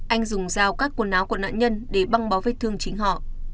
anh dùng dao các quần áo của nạn nhân để băng bó vết thương chính họ